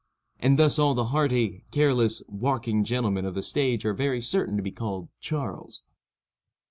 And thus all the hearty, careless, "walking gentlemen" of the stage are very certain to be called Charles.